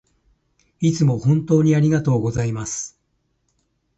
いつも本当にありがとうございます